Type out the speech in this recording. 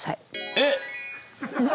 えっ！